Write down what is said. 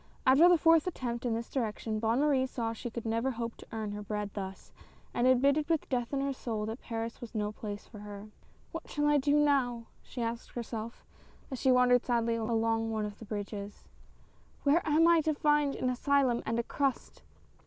After the fourth attempt in this direction, Bonne Marie saw she could never hope to earn her bread thus, and admitted with death in her soul, that Paris was no place for her. " What shall I do now ?" she asked herself, as she wandered sadly along one of the bridges. " Where am I to find an asylum and a crust